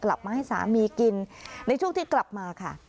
กลับมาให้สามีกินในช่วงที่กลับมาค่ะ